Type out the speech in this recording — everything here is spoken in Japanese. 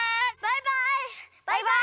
バイバイ！